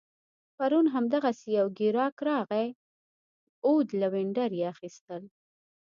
پرون هم دغسي یو ګیراک راغی عود لوینډر يې اخيستل